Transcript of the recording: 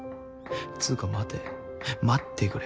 つうか待て待ってくれ。